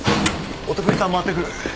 お得意さん回ってくる。